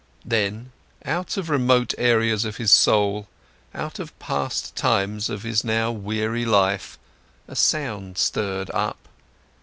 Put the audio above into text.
Then, out of remote areas of his soul, out of past times of his now weary life, a sound stirred up.